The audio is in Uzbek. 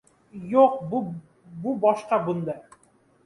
— Yo‘q, bu boshqa, bunda...